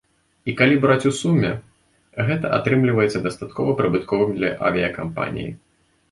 І калі браць у суме, гэта атрымліваецца дастаткова прыбытковым для авіякампаніі.